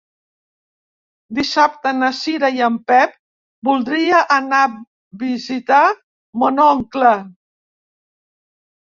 Dissabte na Cira i en Pep voldria anar a visitar mon oncle.